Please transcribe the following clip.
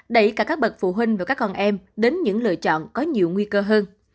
đẩy cả các bậc phụ huynh và các con em đến những lựa chọn có nhiều nguy cơ hơn